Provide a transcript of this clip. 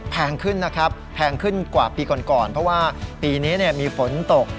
แพงขึ้นนะครับแพงขึ้นกว่าปีก่อนก่อนเพราะว่าปีนี้มีฝนตก